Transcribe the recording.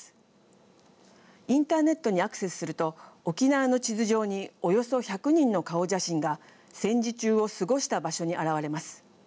インターネットにアクセスすると沖縄の地図上におよそ１００人の顔写真が戦時中を過ごした場所に現れます。